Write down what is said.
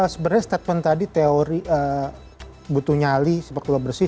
sebenarnya statement tadi teori butuh nyali sepakbola bersih